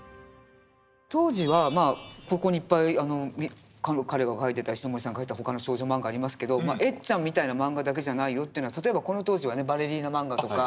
当時はまあここにいっぱい彼が描いてた石森さんが描いた他の少女漫画ありますけど「エッちゃん」みたいなマンガだけじゃないよっていうのは例えばこの当時はねバレリーナ漫画とか。